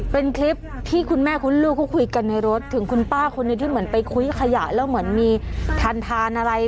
เป็นคลิปที่คุณแม่คุณลูกเขาคุยกันในรถถึงคุณป้าคนหนึ่งที่เหมือนไปคุยขยะแล้วเหมือนมีทานอะไร